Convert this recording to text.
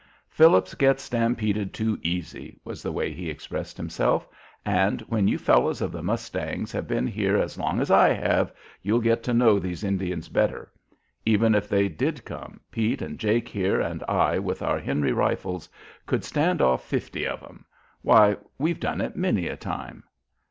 "Phillips gets stampeded too easy," was the way he expressed himself, "and when you fellows of the Mustangs have been here as long as I have you'll get to know these Indians better. Even if they did come, Pete and Jake here, and I, with our Henry rifles, could stand off fifty of 'em. Why, we've done it many a time."